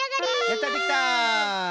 やったできた！